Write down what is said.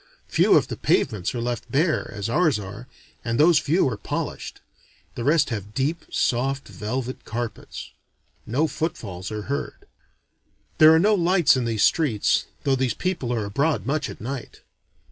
Few of the pavements are left bare, as ours are, and those few are polished: the rest have deep soft velvet carpets. No footfalls are heard. There are no lights in these streets, though these people are abroad much at night.